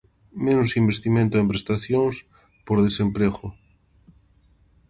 Menos investimento en prestacións por desemprego.